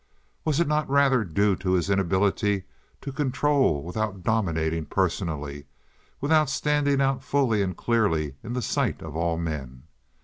Was it not rather due to his inability to control without dominating personally—without standing out fully and clearly in the sight of all men?